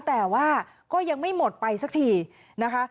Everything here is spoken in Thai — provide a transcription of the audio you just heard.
แต่ว่าก็ยังไม่หมดไปสักทีนะคะ